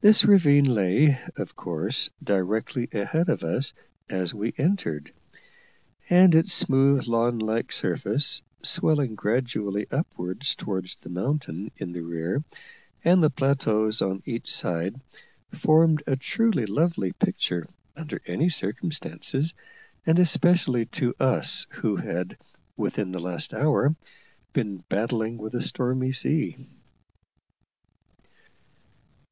This ravine lay, of course, directly ahead of us as we entered; and its smooth, lawn like surface, swelling gradually upwards towards the mountain in the rear and the plateaus on each side, formed a truly lovely picture under any circumstances, and especially to us who had, within the last hour, been battling with a stormy sea.